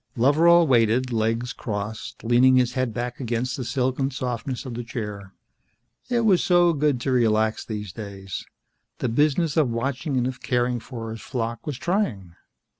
Loveral waited, legs crossed, leaning his head back against the silken softness of the chair. It was so good to relax these days. The business of watching and of caring for his flock was trying.